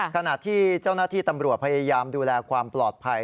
ขณะที่เจ้าหน้าที่ตำรวจพยายามดูแลความปลอดภัย